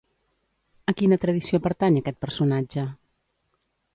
A quina tradició pertany aquest personatge?